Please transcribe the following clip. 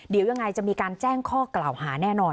เดี๋ยวยังไงจะมีการแจ้งข้อกล่าวหาแน่นอน